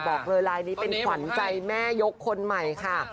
บอกเลยลายนี้เป็นขวัญใจแม่ยกคนใหม่ค่ะ